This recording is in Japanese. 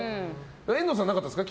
遠藤さん、なかったですか？